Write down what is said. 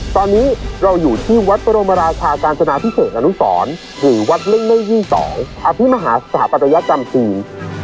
ตอนนี้เราอยู่ที่วัดประโลมราคากาญชนาพิเศษอนุสรหรือวัดเล่นในยี่สองอภิมฮาสถาปัตยกรรมทีม